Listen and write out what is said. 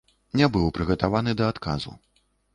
Не быў прыгатаваны да адказу.